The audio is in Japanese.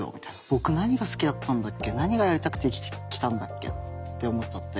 僕何が好きだったんだっけ何がやりたくて生きてきたんだっけって思っちゃって。